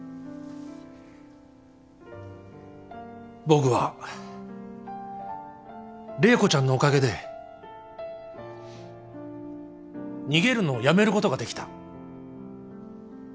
僕は麗子ちゃんのおかげで逃げるのをやめることができた。